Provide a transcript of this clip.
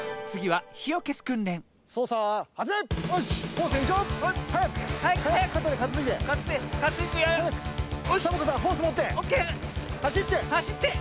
はしって！